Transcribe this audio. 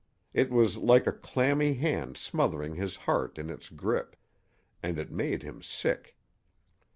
It was like a clammy hand smothering his heart in its grip, and it made him sick.